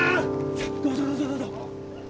さあどうぞどうぞどうぞ！